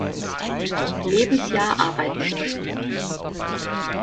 Lebensjahr arbeiten sollten.